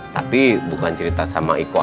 tapi bukan cerita sama iko